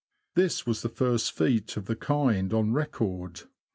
This was the first feat of the kind on record.